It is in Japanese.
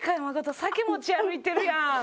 酒持ち歩いてるやん。